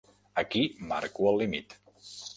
Aquí marco el límit.